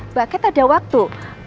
mbak cat ada waktu